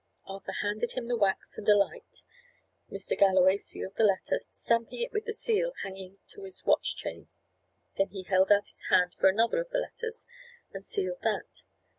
Arthur handed him the wax and a light. Mr. Galloway sealed the letter, stamping it with the seal hanging to his watch chain. He then held out his hand for another of the letters, and sealed that.